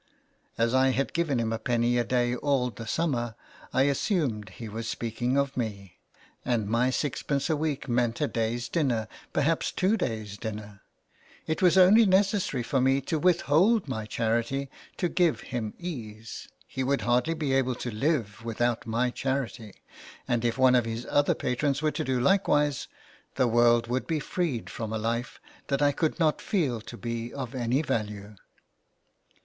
As I had given him a penny a day all the summer, I assumed he was speaking of me. And my sixpence a week meant a day's dinner, perhaps two day's dinner ! It was only necessary for me to withhold my charity to give him ease. He would hardly be able to live without my charity, and if one of his other patrons were to do likewise the world would be freed from a life that I could not feel to be of any value.